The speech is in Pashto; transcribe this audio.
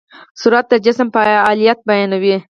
سرعت د جسم فعالیت بیانوي.